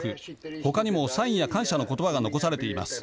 他にもサインや感謝の言葉が残されています。